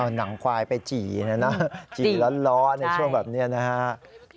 เอานังควายไปจี่นะจี่ร้อนในช่วงแบบนี้นะคะ